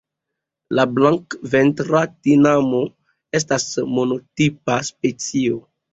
La Blankventra tinamo estas monotipa specio.